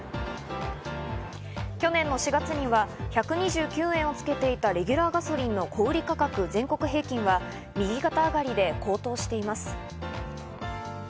去年の４月には１２９円をつけていたレギュラーガソリンの小売価格全国平均は右肩上がりで高騰しています。